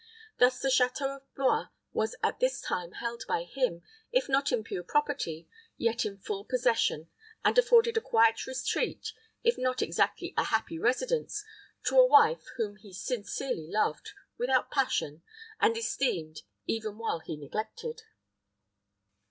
Thus the château of Blois was at this time held by him, if not in pure property, yet in full possession, and afforded a quiet retreat, if not exactly a happy residence, to a wife whom he sincerely loved, without passion, and esteemed, even while he neglected.